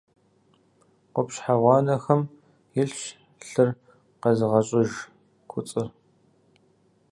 Къупщхьэ гъуанэхэм илъщ лъыр къэзыгъэщӏыж куцӏыр.